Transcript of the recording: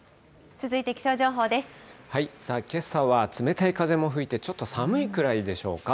けさは冷たい風も吹いて、ちょっと寒いくらいでしょうか。